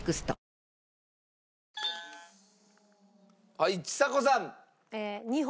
はいちさ子さん。